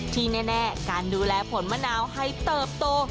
ที่แน่การดูแลผลมะนาวให้เติบโต